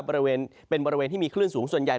บริเวณเป็นบริเวณที่มีคลื่นสูงส่วนใหญ่